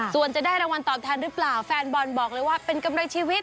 ส่วนจะได้รางวัลตอบแทนหรือเปล่าแฟนบอลบอกเลยว่าเป็นกำไรชีวิต